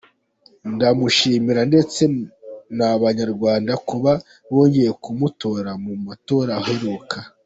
Ndamushimira ndetse n’Abanyarwanda kuba bongeye kumutora mu matora aheruka.